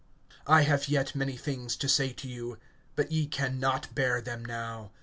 (12)I have yet many things to say to you, but ye can not bear them now.